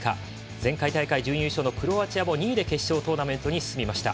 前回大会準優勝のクロアチアも２位で決勝トーナメントに進みました。